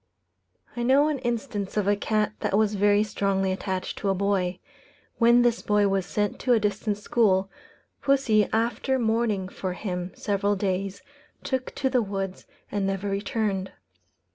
I know an instance of a cat that was very strongly attached to a boy. When this boy was sent to a distant school, pussy, after mourning for him several days, took to the woods and never returned.